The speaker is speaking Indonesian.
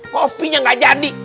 kopinya nggak jadi